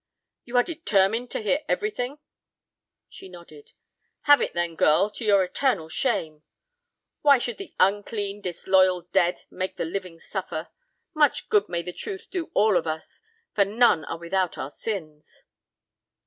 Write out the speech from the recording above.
"You are determined to hear everything?" She nodded. "Have it then, girl, to your eternal shame! Why should the unclean, disloyal dead make the living suffer? Much good may the truth do all of us, for none are without our sins."